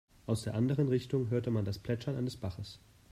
Aus der anderen Richtung hörte man das Plätschern eines Baches.